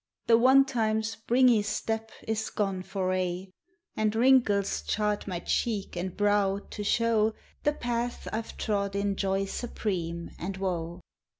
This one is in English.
The one time springy step is gone for aye, And wrinkles chart my cheek and brow to show The paths I ve trod in joy supreme and woe.